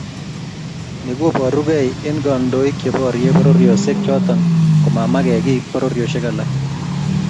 Ni koborukei eng kandoik cheborie pororiosiek choto komamake kiy pororiosiek alak